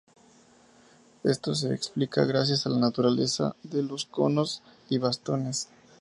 Esto se explica gracias a la naturaleza de los conos y bastones.